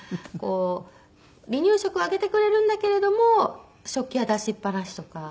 離乳食はあげてくれるんだけれども食器は出しっ放しとか。